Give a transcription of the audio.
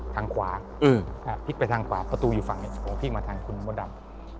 ผมก็พลิกไปทางขวาประตูอยู่ฝั่งนี้ผมพลิกมาทางคุณสมดำ